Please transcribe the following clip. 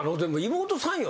妹さんよ？